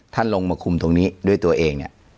ท่านลงมาคุมตรงนี้ด้วยตัวเองเนี่ย